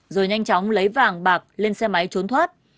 rồi nhanh chóng lấy vàng bạc lên xe máy trốn thoát